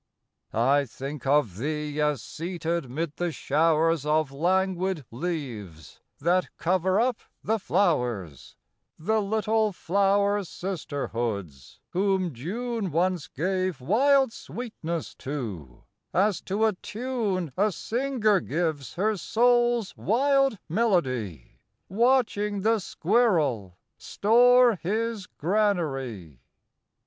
I think of thee as seated 'mid the showers Of languid leaves that cover up the flowers, The little flower sisterhoods, whom June Once gave wild sweetness to, as to a tune A singer gives her soul's wild melody, Watching the squirrel store his granary.